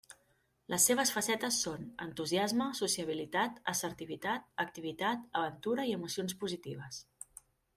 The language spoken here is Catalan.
Les seves facetes són: entusiasme, sociabilitat, assertivitat, activitat, aventura i emocions positives.